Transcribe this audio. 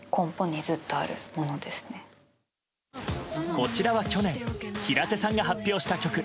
こちらは去年平手さんが発表した曲。